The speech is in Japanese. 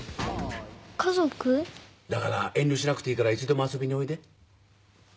だから遠慮しなくていいからいつでも遊びにおいで。